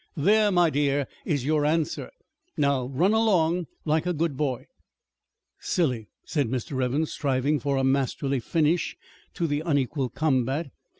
"There, my dear, is your answer. Now run along like a good boy." "Silly!" said Mr. Evans, striving for a masterly finish to the unequal combat.